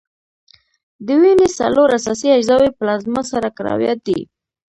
د وینې څلور اساسي اجزاوي پلازما، سره کرویات دي.